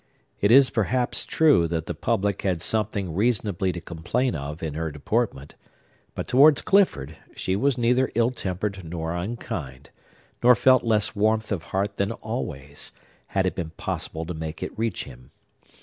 It is, perhaps, true that the public had something reasonably to complain of in her deportment; but towards Clifford she was neither ill tempered nor unkind, nor felt less warmth of heart than always, had it been possible to make it reach him.